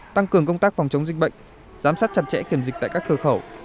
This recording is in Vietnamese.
tăng cường công tác phòng chống dịch bệnh giám sát chặt chẽ kiểm dịch tại các cơ khẩu